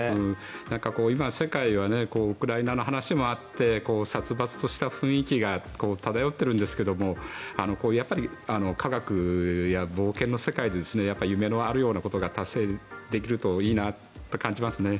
今、世界はウクライナの話もあって殺伐とした雰囲気が漂っているんですがやっぱり科学や冒険の世界で夢のあるようなことが達成できるといいなと感じますね。